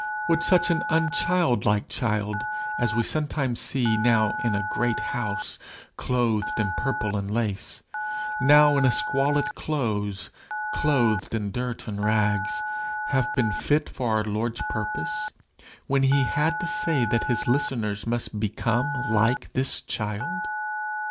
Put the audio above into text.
Would such an unchildlike child as we see sometimes, now in a great house, clothed in purple and lace, now in a squalid close, clothed in dirt and rags, have been fit for our Lord's purpose, when he had to say that his listeners must become like this child?